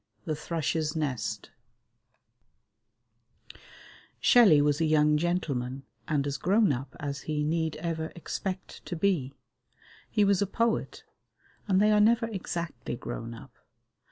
The Thrush's Nest Shelley was a young gentleman and as grown up as he need ever expect to be. He was a poet; and they are never exactly grown up.